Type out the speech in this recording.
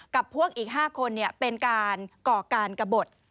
กับพวกอีก๕คนเป็นการก่อการกระบด